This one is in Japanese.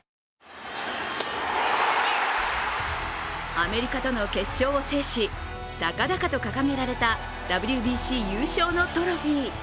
アメリカとの決勝を制し、高々と掲げられたＷＢＣ優勝のトロフィー。